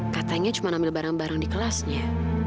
katanya cuma ambil barang barang di kelasnya